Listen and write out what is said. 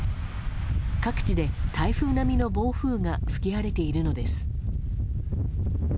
各地で台風並みの暴風が吹き荒れているのです。